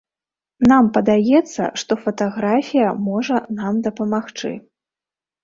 Нам падаецца, што фатаграфія можа нам дапамагчы.